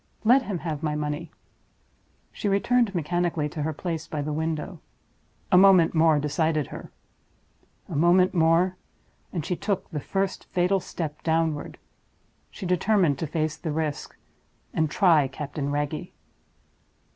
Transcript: Let him have my money!" She returned mechanically to her place by the window. A moment more decided her. A moment more, and she took the first fatal step downward she determined to face the risk, and try Captain Wragge.